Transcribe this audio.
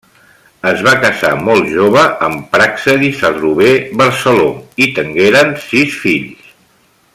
Es va casar molt jove amb Praxedis Adrover Barceló i tengueren sis fills.